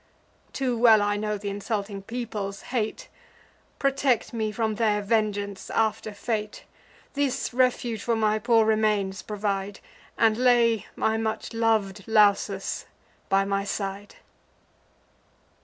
Too well I know th' insulting people's hate; Protect me from their vengeance after fate: This refuge for my poor remains provide, And lay my much lov'd Lausus by my side."